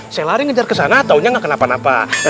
saya lari ngejar kesana taunya gak kenapa napa